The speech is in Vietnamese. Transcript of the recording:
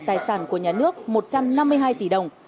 tài sản của nhà nước một trăm năm mươi hai tỷ đồng